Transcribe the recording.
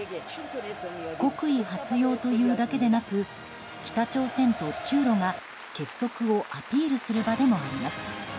国威発揚というだけでなく北朝鮮と中ロが結束をアピールする場でもあります。